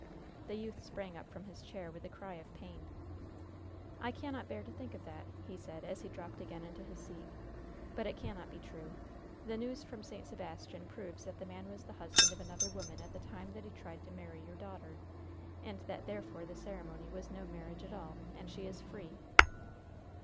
The youth sprang up from his chair with a cry of pain. "I cannot bear to think of that!" he said, as he dropped again into his seat. "But it cannot be true! The news from St. Sebastian proves that the man was the husband of another woman at the time that he tried to marry your daughter and that therefore the ceremony was no marriage at all, and she is free."